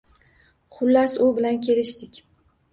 Xullas, u bilan kelishdik